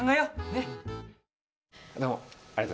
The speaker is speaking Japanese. ねっ！」